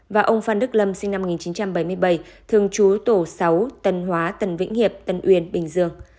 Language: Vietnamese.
và ông phan đức lâm sinh năm một nghìn chín trăm bảy mươi bảy thường trú tổ sáu tân hóa tân vĩnh hiệp tân uyên bình dương